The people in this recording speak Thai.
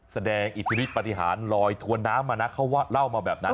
อิทธิฤทธปฏิหารลอยถวนน้ำมานะเขาเล่ามาแบบนั้น